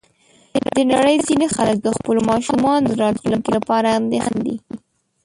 د نړۍ ځینې خلک د خپلو ماشومانو د راتلونکي لپاره اندېښمن دي.